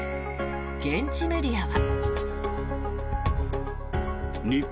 現地メディアは。